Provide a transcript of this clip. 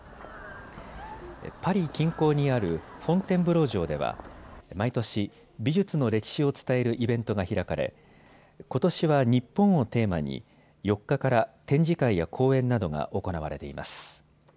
パリ近郊にあるフォンテンブロー城では毎年、美術の歴史を伝えるイベントが開かれことしは日本をテーマに４日から展示会や講演などが行われています。